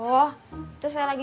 oh terus saya lagi